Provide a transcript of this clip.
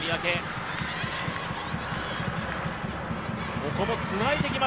ここもつないできます